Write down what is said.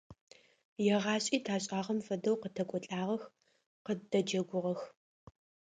Егъашӏи ташӏагъэм фэдэу къытэкӏолӏагъэх, къыддэджэгугъэх.